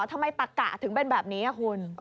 ทำไมปากกะถึงเป็นแบบนี้คะคุณ